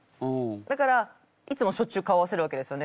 だからいつもしょっちゅう顔合わせるわけですよね。